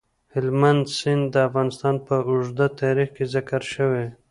هلمند سیند د افغانستان په اوږده تاریخ کې ذکر شوی.